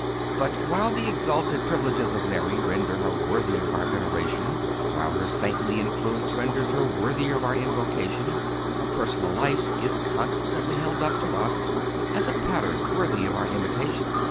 But while the exalted privileges of Mary render her worthy of our veneration, while her saintly influence renders her worthy of our invocation, her personal life is constantly held up to us as a pattern worthy of our imitation.